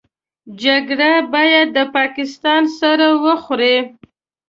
جګړه بايد د پاکستان سر وخوري.